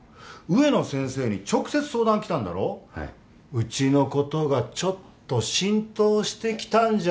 うちのことがちょっと浸透してきたんじゃねえかおい！